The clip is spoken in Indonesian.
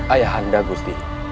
ayah anda gusti